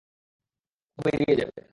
ও বেরিয়ে যাবে।